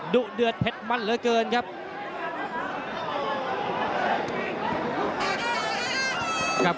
ดูเดือดเพชรมันเลยเกินครับ